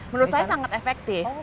menurut saya sangat efektif